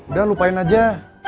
udah lupain aja